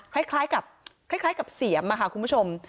คล้ายคล้ายกับเข้ยคล้ายกับเสี่ยมอ่ะค่ะคุณผู้ชม